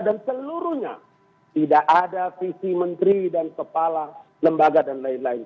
dan seluruhnya tidak ada visi menteri dan kepala lembaga dan lain lain